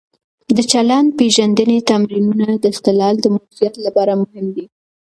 د چلند-پېژندنې تمرینونه د اختلال د مدیریت لپاره مهم دي.